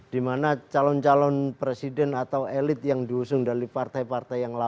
dimana calon calon presiden atau elit yang diusung dari partai partai yang lain